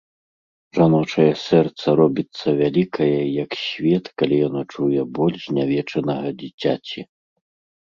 Жаночае сэрца робіцца вялікае, як свет, калі яно чуе боль знявечанага дзіцяці.